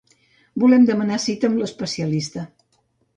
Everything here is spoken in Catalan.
Volem demanar cita amb l'especialista.